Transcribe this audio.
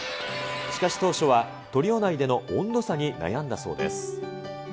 しかし当初は、トリオ内での温度差に悩んだそうです。